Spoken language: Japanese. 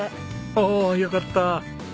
おおよかった。